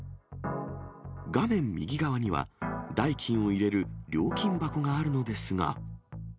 画面右側には、代金を入れる料金箱があるのですが。